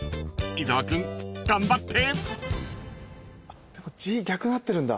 ［伊沢君頑張って］